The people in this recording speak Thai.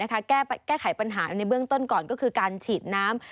แก้ไขปัญหาในเบื้องต้นก่อนก็คือการฉีดน้ำ